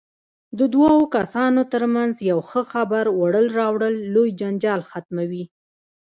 د دوو کسانو ترمنځ یو ښه خبر وړل راوړل لوی جنجال ختموي.